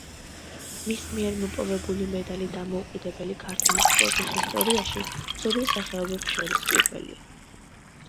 მის მიერ მოპოვებული მედალი დამოუკიდებელი ქართული სპორტის ისტორიაში, ცურვის სახეობებს შორის პირველია.